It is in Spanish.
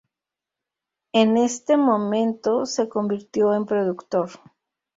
En este momento se convirtió en productor.